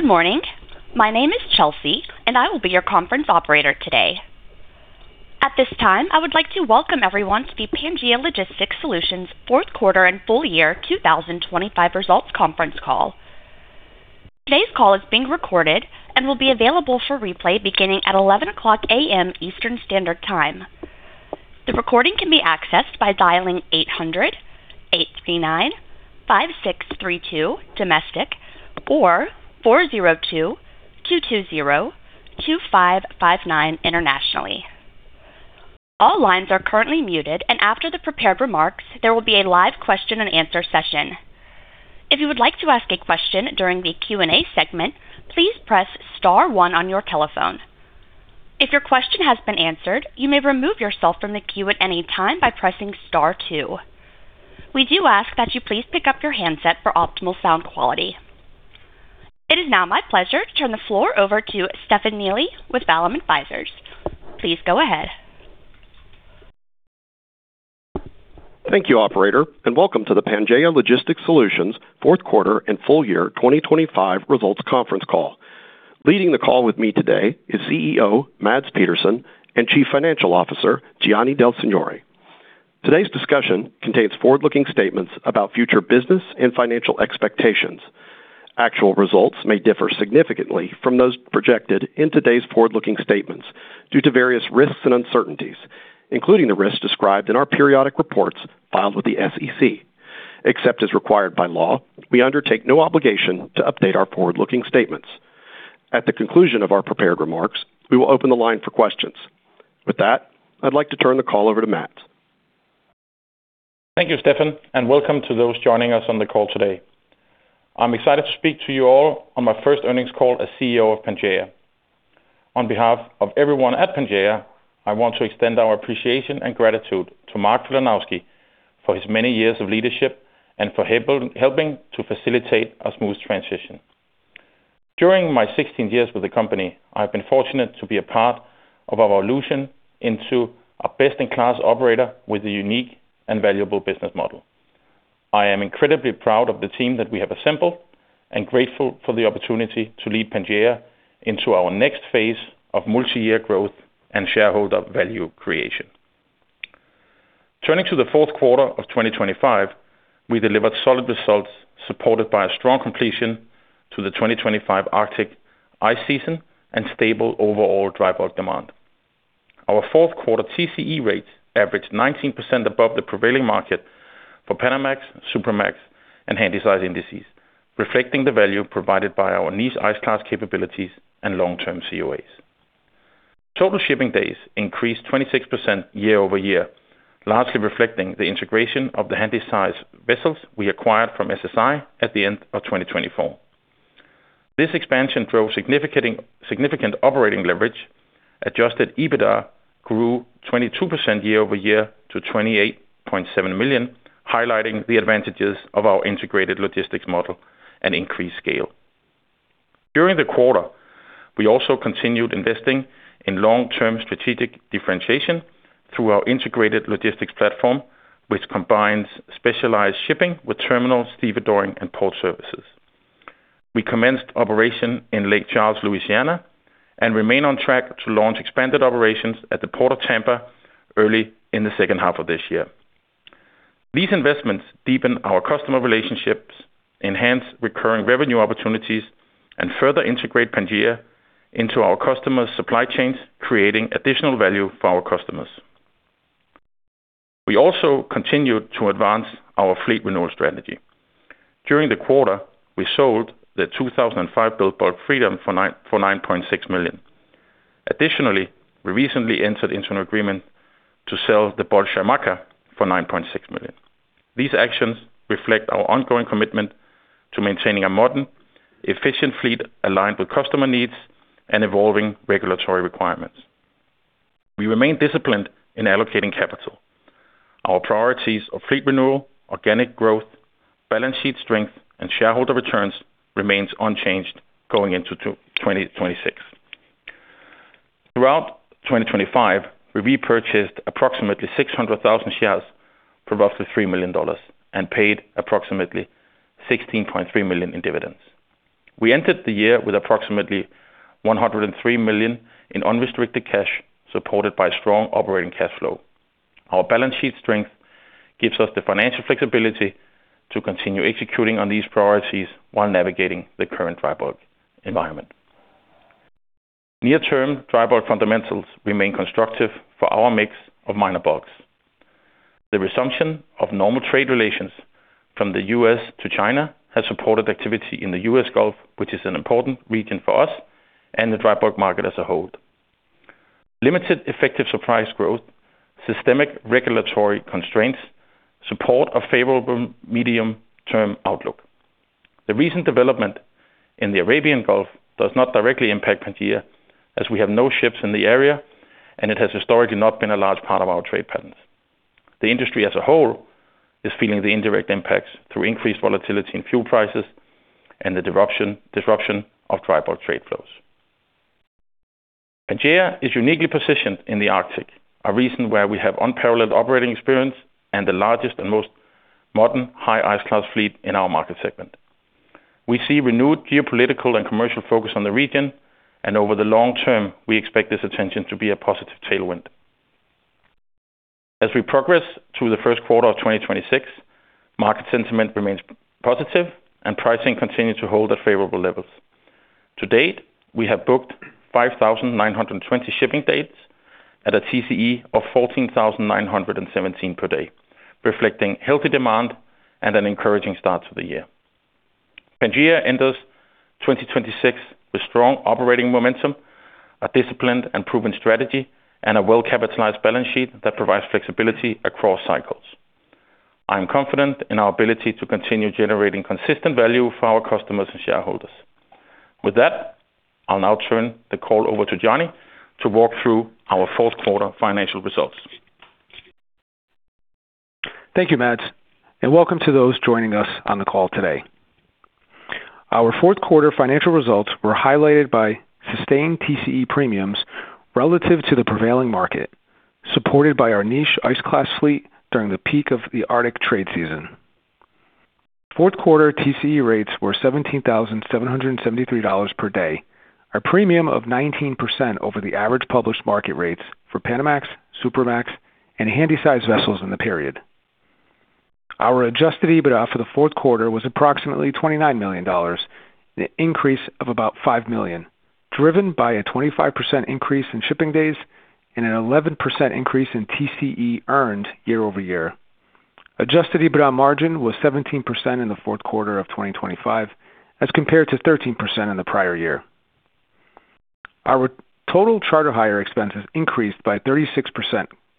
Good morning. My name is Chelsea, and I will be your conference operator today. At this time, I would like to welcome everyone to the Pangaea Logistics Solutions fourth quarter and full year 2025 results conference call. Today's call is being recorded and will be available for replay beginning at 11:00 A.M. Eastern Standard Time. The recording can be accessed by dialing 800-839-5632 domestic or 402-220-2559 internationally. All lines are currently muted, and after the prepared remarks, there will be a live question-and-answer session. If you would like to ask a question during the Q&A segment, please press star one on your telephone. If your question has been answered, you may remove yourself from the queue at any time by pressing star two. We do ask that you please pick up your handset for optimal sound quality. It is now my pleasure to turn the floor over to Stefan Neely with Vallum Advisors. Please go ahead. Thank you, operator, and welcome to the Pangaea Logistics Solutions fourth quarter and full year 2025 results conference call. Leading the call with me today is CEO Mads Petersen and Chief Financial Officer Gianni Del Signore. Today's discussion contains forward-looking statements about future business and financial expectations. Actual results may differ significantly from those projected in today's forward-looking statements due to various risks and uncertainties, including the risks described in our periodic reports filed with the SEC. Except as required by law, we undertake no obligation to update our forward-looking statements. At the conclusion of our prepared remarks, we will open the line for questions. With that, I'd like to turn the call over to Mads. Thank you, Stefan, and welcome to those joining us on the call today. I'm excited to speak to you all on my first earnings call as CEO of Pangaea. On behalf of everyone at Pangaea, I want to extend our appreciation and gratitude to Mark Filanowski for his many years of leadership and for helping to facilitate a smooth transition. During my 16 years with the company, I've been fortunate to be a part of our evolution into a best-in-class operator with a unique and valuable business model. I am incredibly proud of the team that we have assembled and grateful for the opportunity to lead Pangaea into our next phase of multi-year growth and shareholder value creation. Turning to the fourth quarter of 2025, we delivered solid results supported by a strong completion to the 2025 Arctic ice season and stable overall dry bulk demand. Our fourth quarter TCE rates averaged 19% above the prevailing market for Panamax, Supramax, and Handysize indices, reflecting the value provided by our niche ice class capabilities and long-term COAs. Total shipping days increased 26% year-over-year, largely reflecting the integration of the Handysize vessels we acquired from SSI at the end of 2024. This expansion drove significant operating leverage. Adjusted EBITDA grew 22% year-over-year to $28.7 million, highlighting the advantages of our integrated logistics model and increased scale. During the quarter, we also continued investing in long-term strategic differentiation through our integrated logistics platform, which combines specialized shipping with terminal stevedoring and port services. We commenced operation in Lake Charles, Louisiana, and remain on track to launch expanded operations at the Port of Tampa early in the second half of this year. These investments deepen our customer relationships, enhance recurring revenue opportunities, and further integrate Pangaea into our customers' supply chains, creating additional value for our customers. We also continued to advance our fleet renewal strategy. During the quarter, we sold the 2005-built Bulk Freedom for $9.6 million. Additionally, we recently entered into an agreement to sell the Bulk Xaymaca for $9.6 million. These actions reflect our ongoing commitment to maintaining a modern, efficient fleet aligned with customer needs and evolving regulatory requirements. We remain disciplined in allocating capital. Our priorities of fleet renewal, organic growth, balance sheet strength, and shareholder returns remains unchanged going into 2026. Throughout 2025, we repurchased approximately 600,000 shares for roughly $3 million and paid approximately $16.3 million in dividends. We entered the year with approximately $103 million in unrestricted cash, supported by strong operating cash flow. Our balance sheet strength gives us the financial flexibility to continue executing on these priorities while navigating the current dry bulk environment. Near-term dry bulk fundamentals remain constructive for our mix of minor bulks. The resumption of normal trade relations from the U.S. to China has supported activity in the U.S. Gulf, which is an important region for us and the dry bulk market as a whole. Limited effective supply growth, systemic regulatory constraints support a favorable medium-term outlook. The recent development in the Arabian Gulf does not directly impact Pangaea as we have no ships in the area, and it has historically not been a large part of our trade patterns. The industry as a whole is feeling the indirect impacts through increased volatility in fuel prices and the disruption of dry bulk trade flows. Pangaea is uniquely positioned in the Arctic, a region where we have unparalleled operating experience and the largest and most modern high ice class fleet in our market segment. We see renewed geopolitical and commercial focus on the region, and over the long term, we expect this attention to be a positive tailwind. As we progress through the first quarter of 2026, market sentiment remains positive and pricing continues to hold at favorable levels. To date, we have booked 5,920 shipping dates at a TCE of $14,917 per day, reflecting healthy demand and an encouraging start to the year. Pangaea enters 2026 with strong operating momentum, a disciplined and proven strategy, and a well-capitalized balance sheet that provides flexibility across cycles. I am confident in our ability to continue generating consistent value for our customers and shareholders. With that, I'll now turn the call over to Gianni to walk through our fourth quarter financial results. Thank you, Mads, and welcome to those joining us on the call today. Our fourth quarter financial results were highlighted by sustained TCE premiums relative to the prevailing market, supported by our niche ice class fleet during the peak of the Arctic trade season. Fourth quarter TCE rates were $17,773 per day, a premium of 19% over the average published market rates for Panamax, Supramax, and Handysize vessels in the period. Our adjusted EBITDA for the fourth quarter was approximately $29 million, an increase of about $5 million, driven by a 25% increase in shipping days and an 11% increase in TCE earned year over year. Adjusted EBITDA margin was 17% in the fourth quarter of 2025, as compared to 13% in the prior year. Our total charter hire expenses increased by 36%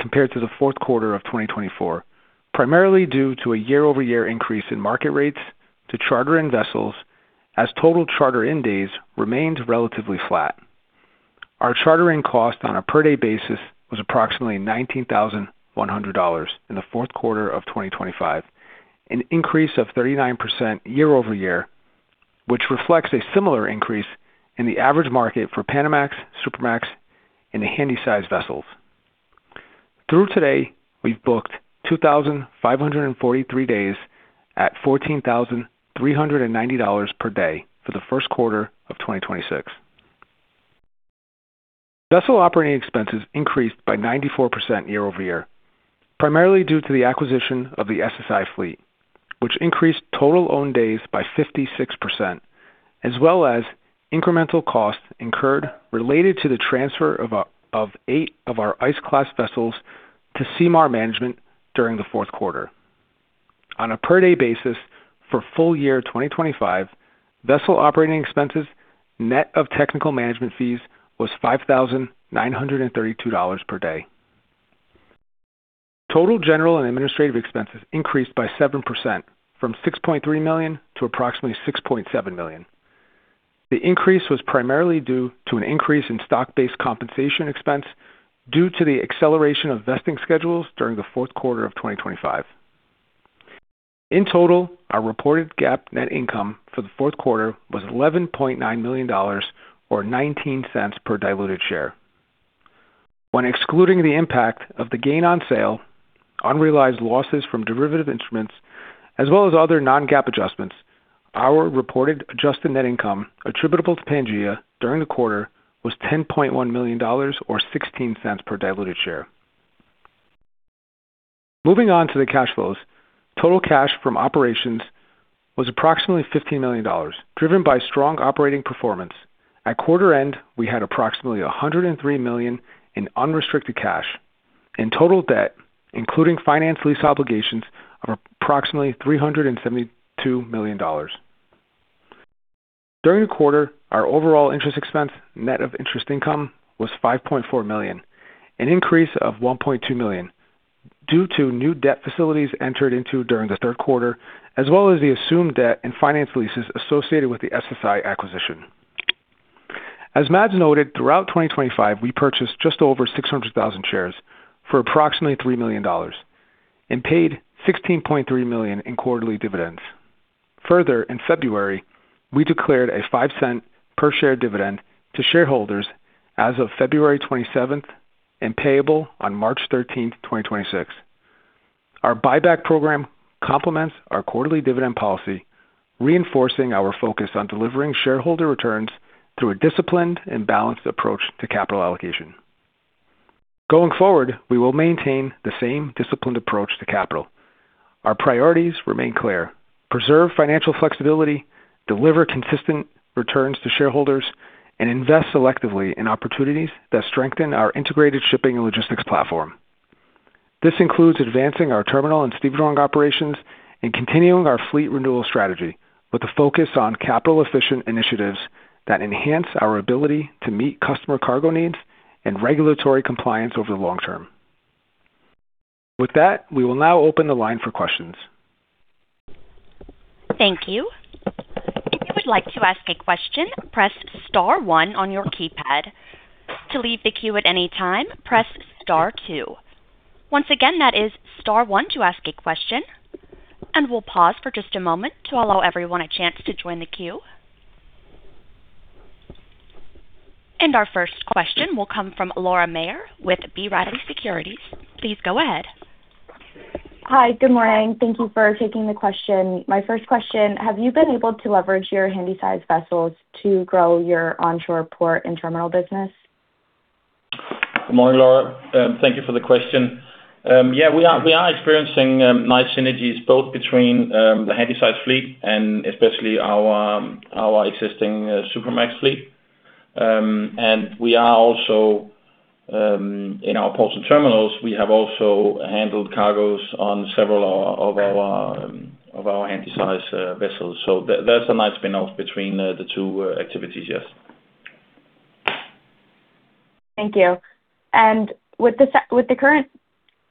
compared to the fourth quarter of 2024, primarily due to a year-over-year increase in market rates to charter in vessels as total charter-in days remained relatively flat. Our charter-in cost on a per-day basis was approximately $19,100 in the fourth quarter of 2025, an increase of 39% year-over-year, which reflects a similar increase in the average market for Panamax, Supramax, and the Handysize vessels. Through today, we've booked 2,543 days at $14,390 per day for the first quarter of 2026. Vessel operating expenses increased by 94% year-over-year, primarily due to the acquisition of the SSI fleet, which increased total own days by 56%, as well as incremental costs incurred related to the transfer of eight of our ice class vessels to Seamar Management during the fourth quarter. On a per-day basis for full year 2025, vessel operating expenses, net of technical management fees, was $5,932 per day. Total general and administrative expenses increased by 7% from $6.3 million to approximately $6.7 million. The increase was primarily due to an increase in stock-based compensation expense due to the acceleration of vesting schedules during the fourth quarter of 2025. In total, our reported GAAP net income for the fourth quarter was $11.9 million or $0.19 per diluted share. When excluding the impact of the gain on sale, unrealized losses from derivative instruments, as well as other non-GAAP adjustments, our reported adjusted net income attributable to Pangaea during the quarter was $10.1 million or $0.16 per diluted share. Moving on to the cash flows. Total cash from operations was approximately $15 million, driven by strong operating performance. At quarter end, we had approximately $103 million in unrestricted cash and total debt, including finance lease obligations, of approximately $372 million. During the quarter, our overall interest expense, net of interest income, was $5.4 million, an increase of $1.2 million due to new debt facilities entered into during the third quarter, as well as the assumed debt and finance leases associated with the SSI acquisition. As Mads noted, throughout 2025, we purchased just over 600,000 shares for approximately $3 million and paid $16.3 million in quarterly dividends. Further, in February, we declared a $0.05 per share dividend to shareholders as of February 27th and payable on March 13th, 2026. Our buyback program complements our quarterly dividend policy, reinforcing our focus on delivering shareholder returns through a disciplined and balanced approach to capital allocation. Going forward, we will maintain the same disciplined approach to capital. Our priorities remain clear. Preserve financial flexibility, deliver consistent returns to shareholders, and invest selectively in opportunities that strengthen our integrated shipping and logistics platform. This includes advancing our terminal and stevedoring operations and continuing our fleet renewal strategy with a focus on capital-efficient initiatives that enhance our ability to meet customer cargo needs and regulatory compliance over the long term. With that, we will now open the line for questions. Thank you. If you would like to ask a question, press star one on your keypad. To leave the queue at any time, press star two. Once again, that is star one to ask a question. We'll pause for just a moment to allow everyone a chance to join the queue. Our first question will come from Liam Burke with B. Riley Securities. Please go ahead. Hi. Good morning. Thank you for taking the question. My first question, have you been able to leverage your Handysize vessels to grow your onshore port and terminal business? Good morning, Liam, thank you for the question. Yeah, we are experiencing nice synergies both between the Handysize fleet and especially our existing Supramax fleet. We are also in our ports and terminals, we have also handled cargos on several of our Handysize vessels. That's a nice spin-off between the two activities, yes. Thank you. With the current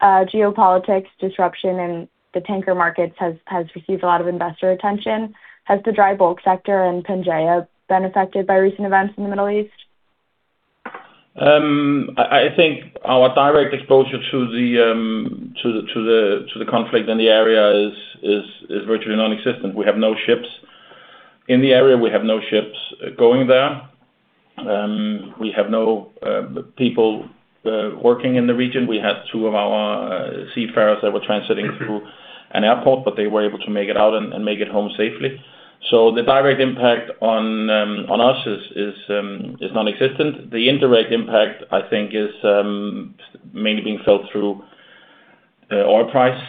geopolitical disruption in the tanker markets has received a lot of investor attention, has the dry bulk sector and Pangaea been affected by recent events in the Middle East? I think our direct exposure to the conflict in the area is virtually non-existent. We have no ships in the area. We have no ships going there. We have no people working in the region. We had two of our seafarers that were transiting through an airport, but they were able to make it out and make it home safely. The direct impact on us is non-existent. The indirect impact, I think, is mainly being felt through oil price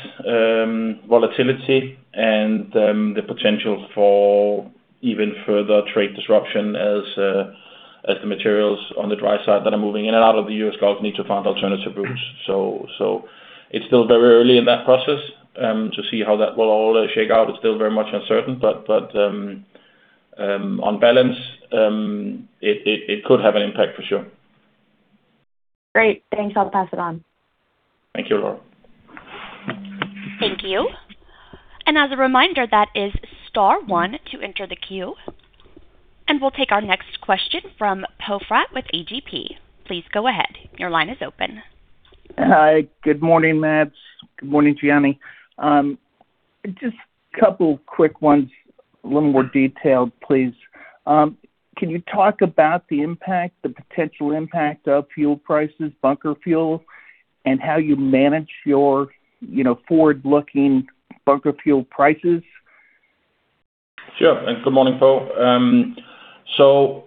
volatility and the potential for even further trade disruption as the materials on the dry side that are moving in and out of the U.S. Gulf need to find alternative routes. It's still very early in that process to see how that will all shake out. It's still very much uncertain, but on balance, it could have an impact for sure. Great. Thanks. I'll pass it on. Thank you, Liam Burke. Thank you. As a reminder, that is star one to enter the queue. We'll take our next question from Poe Fratt with Alliance Global Partners. Please go ahead. Your line is open. Hi. Good morning, Mads. Good morning, Gianni. Just a couple quick ones, a little more detailed, please. Can you talk about the impact, the potential impact of fuel prices, bunker fuel, and how you manage your, you know, forward-looking bunker fuel prices? Sure. Good morning, Poe.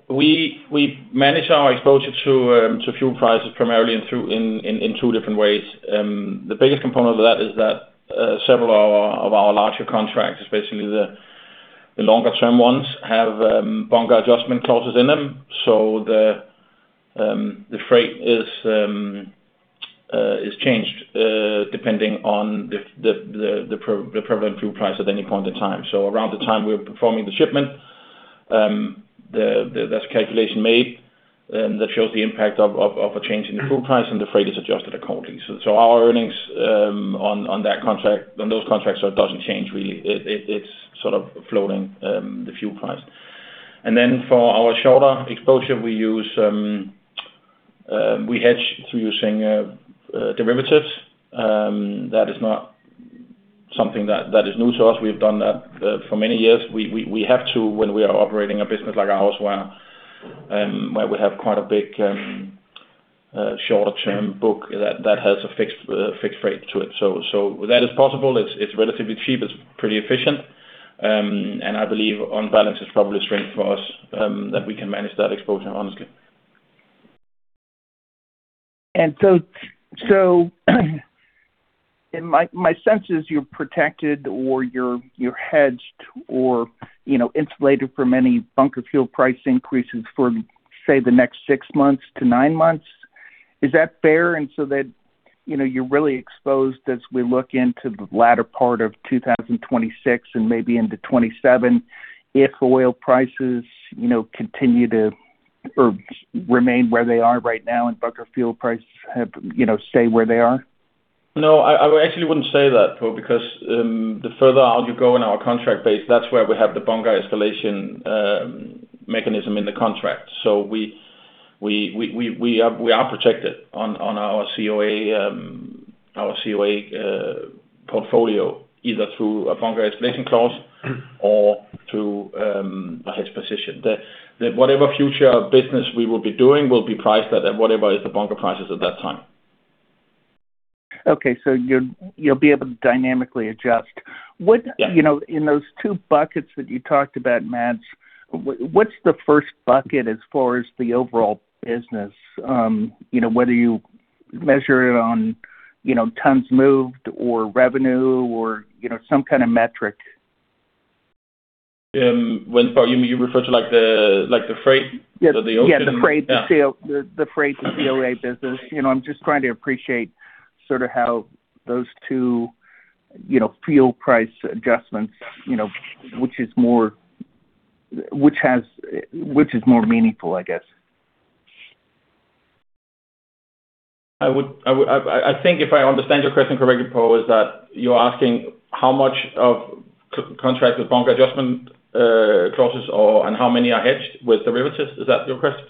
We manage our exposure to fuel prices primarily through two different ways. The biggest component of that is that several of our larger contracts is basically the longer term ones have bunker adjustment clauses in them. The freight is changed depending on the prevalent fuel price at any point in time. Around the time we're performing the shipment, the calculation is made that shows the impact of a change in the fuel price, and the freight is adjusted accordingly. Our earnings on that contract, on those contracts, it doesn't change really. It's sort of floating the fuel price. For our short-term exposure, we hedge through using derivatives. That is not something that is new to us. We've done that for many years. We have to when we are operating a business like ours where we have quite a big short-term book that has a fixed-rate to it. That is possible. It's relatively cheap. It's pretty efficient. I believe on balance it's probably a strength for us that we can manage that exposure honestly. My sense is you're protected or you're hedged or, you know, insulated from any bunker fuel price increases for, say, the next 6 months-9 months. Is that fair? That, you know, you're really exposed as we look into the latter part of 2026 and maybe into 2027 if oil prices, you know, continue to or remain where they are right now and bunker fuel prices have to, you know, stay where they are. No, I actually wouldn't say that, Poe, because the further out you go in our contract base, that's where we have the bunker escalation mechanism in the contract. We are protected on our COA portfolio, either through a bunker escalation clause or through a hedge position. The whatever future business we will be doing will be priced at whatever is the bunker prices at that time. Okay. You'll be able to dynamically adjust. Yeah. You know, in those two buckets that you talked about, Mads, what's the first bucket as far as the overall business, you know, whether you measure it on, you know, tons moved or revenue or, you know, some kind of metric? When, Poe, you refer to like the freight? Yes. Of the ocean? Yeah, the freight to COA. Yeah. The freight to COA business. You know, I'm just trying to appreciate sort of how those two, you know, fuel price adjustments, you know, which is more meaningful, I guess. I think if I understand your question correctly, Poe, is that you're asking how much of contract with bunker adjustment clauses or and how many are hedged with derivatives. Is that your question?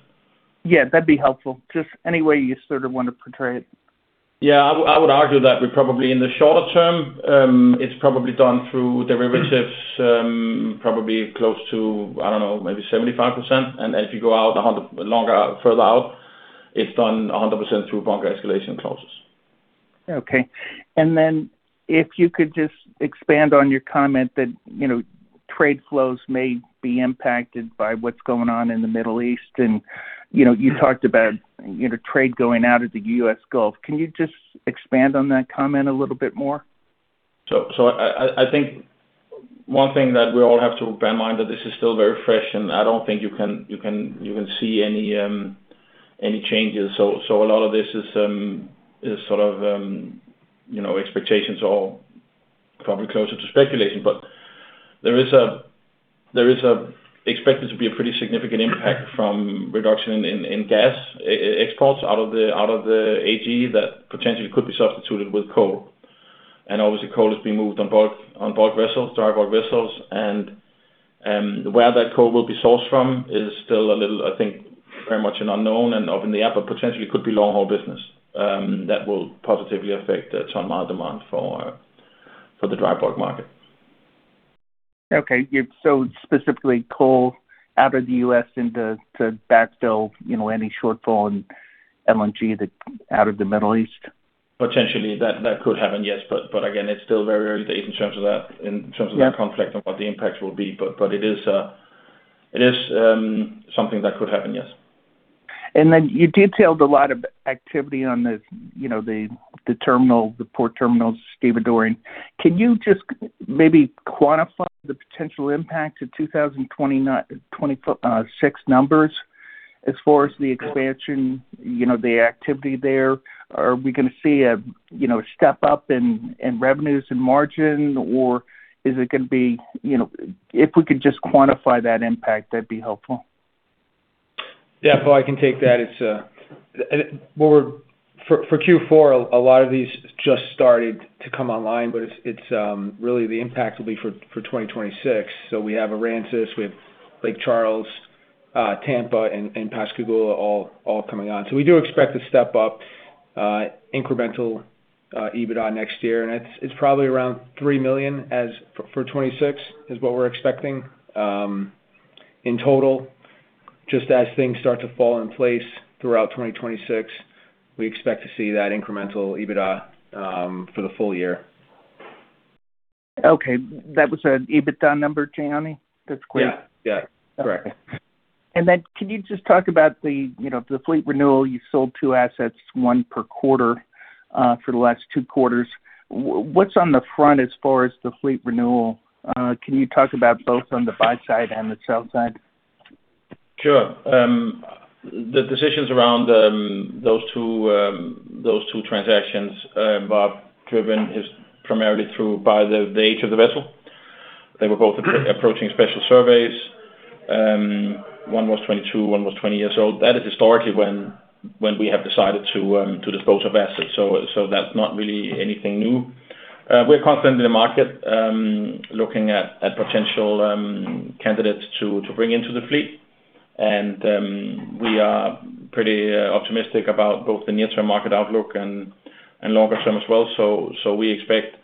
Yeah, that'd be helpful. Just any way you sort of want to portray it. Yeah. I would argue that we probably in the shorter term, it's probably done through derivatives, probably close to, I don't know, maybe 75%. If you go out 100 longer, further out, it's done 100% through bunker escalation clauses. Okay. Then if you could just expand on your comment that, you know, trade flows may be impacted by what's going on in the Middle East and, you know. Yeah. You talked about, you know, trade going out of the U.S. Gulf. Can you just expand on that comment a little bit more? I think one thing that we all have to bear in mind that this is still very fresh, and I don't think you can see any changes. A lot of this is sort of, you know, expectations or probably closer to speculation. There is expected to be a pretty significant impact from reduction in gas exports out of the AG that potentially could be substituted with coal. Obviously, coal is being moved on bulk vessels, dry bulk vessels. Where that coal will be sourced from is still a little, I think, very much an unknown and up in the air, but potentially could be long-haul business that will positively affect the ton-mile demand for the dry bulk market. Okay. Specifically coal out of the U.S. into to backfill, you know, any shortfall in LNG that out of the Middle East? Potentially that could happen, yes. Again, it's still very early days in terms of that conflict and what the impacts will be. It is something that could happen, yes. Then you detailed a lot of activity on the terminal, the port terminals, stevedoring. Can you just maybe quantify the potential impact to 2026 numbers as far as the expansion, you know, the activity there? Are we gonna see a step up in revenues and margin, or is it gonna be? You know, if we could just quantify that impact, that'd be helpful. Yeah. I can take that. It's for Q4, a lot of these just started to come online, but it's really the impact will be for 2026. We have Port Aransas, we have Lake Charles, Tampa and Pascagoula all coming on. We do expect to step up incremental EBITDA next year. It's probably around $3 million for 2026 is what we're expecting in total. Just as things start to fall in place throughout 2026, we expect to see that incremental EBITDA for the full year. Okay. That was an EBITDA number, Gianni? That's correct. Yeah. Correct. Can you just talk about the, you know, the fleet renewal? You sold two assets, one per quarter, for the last two quarters. What's on the front as far as the fleet renewal? Can you talk about both on the buy side and the sell side? Sure. The decisions around those two transactions, Poe Fratt, driven primarily by the age of the vessel. They were both approaching special surveys. One was 22 years, one was 20 years old. That is historically when we have decided to dispose of assets. That's not really anything new. We're constantly in the market looking at potential candidates to bring into the fleet. We are pretty optimistic about both the near-term market outlook and longer term as well. We expect,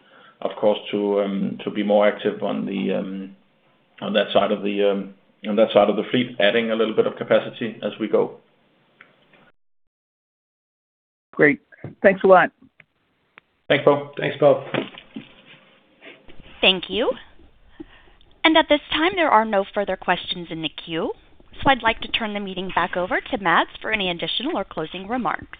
of course, to be more active on that side of the fleet, adding a little bit of capacity as we go. Great. Thanks a lot. Thanks, Poe Fratt. Thank you. At this time, there are no further questions in the queue. I'd like to turn the meeting back over to Mads for any additional or closing remarks.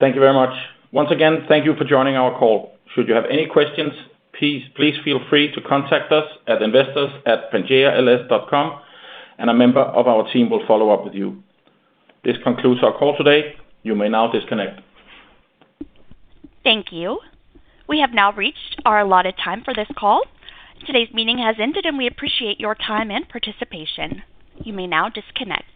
Thank you very much. Once again, thank you for joining our call. Should you have any questions, please feel free to contact us at investors@pangaeals.com and a member of our team will follow up with you. This concludes our call today. You may now disconnect. Thank you. We have now reached our allotted time for this call. Today's meeting has ended, and we appreciate your time and participation. You may now disconnect.